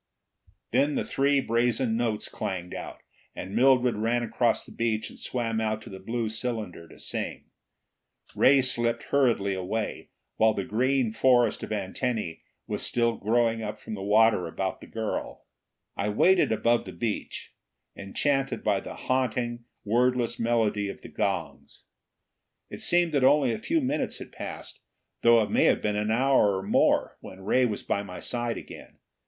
Then the three brazen notes clanged out, and Mildred ran across the beach and swam out to the blue cylinder to sing. Ray slipped hurriedly away, while the green forest of antennae was still growing up from the water about the girl. I waited above the beach, enchanted by the haunting, wordless melody of the gongs. It seemed that only a few minutes had passed, though it may have been an hour or more, when Ray was by my side again.